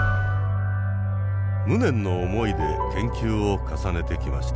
無念の思いで研究を重ねてきました。